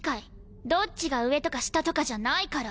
どっちが上とか下とかじゃないから！